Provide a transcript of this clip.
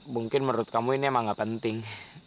mungkin menurut kamu ini emang gak penting